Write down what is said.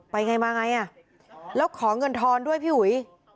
อ้อไปไงมาไงอ่ะแล้วขอเงินทรอนด้วยพี่หุย